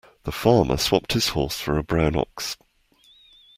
The farmer swapped his horse for a brown ox.